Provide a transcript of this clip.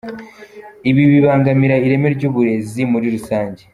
Ibi bibangamira ireme ry’uburezi muri rusange.